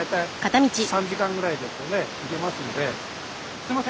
すいません。